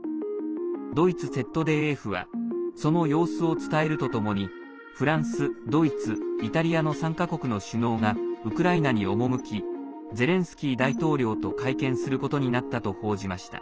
ドイツＺＤＦはその様子を伝えるとともにフランス、ドイツ、イタリアの３か国の首脳がウクライナに赴きゼレンスキー大統領と会見することになったと報じました。